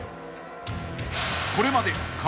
［これまで］